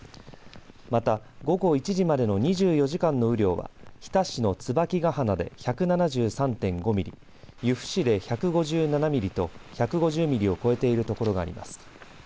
また午後１時までの２４時間の雨量は日田市の椿ヶ鼻で１７３．５ミリ由布市で１５７ミリと１５０ミリを超えている所があります。